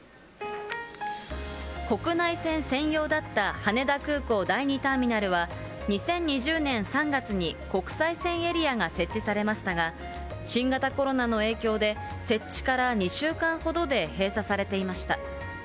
国内線専用だった羽田空港第２ターミナルは、２０２０年３月に国際線エリアが設置されましたが、新型コロナの影響で、設置から２週間ほどで閉鎖されていました。